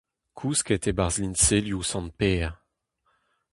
Kousket e-barzh liñselioù sant Pêr.